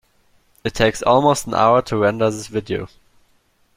It takes almost an hour to render this video.